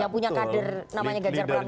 gak punya kader namanya ganjar pranowo